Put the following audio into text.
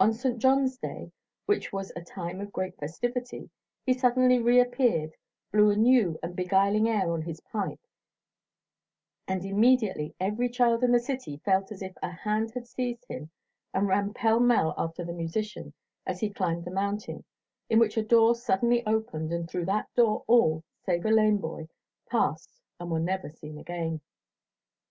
On St. John's Day, which was a time of great festivity, he suddenly reappeared, blew a new and beguiling air on his pipe, and immediately every child in the city felt as if a hand had seized him and ran pell mell after the musician as he climbed the mountain, in which a door suddenly opened, and through that door all, save a lame boy, passed and were never seen again.